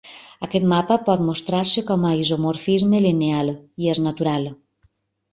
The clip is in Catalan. Aquest mapa por mostrar-se com a isomorfisme lineal, i és natural.